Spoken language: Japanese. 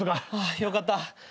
よかった。